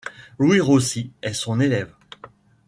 Louis Rossy est son élève.